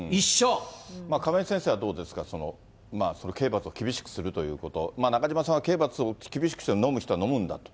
亀井先生はどうですか、刑罰を厳しくするということ、中島さんは刑罰を厳しくしても飲む人は飲むんだと。